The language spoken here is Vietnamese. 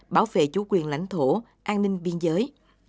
bảo vệ chủ quyền lãnh thổ an ninh biên giới